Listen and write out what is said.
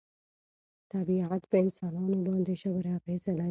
طبیعت په انسانانو باندې ژوره اغېزه لري.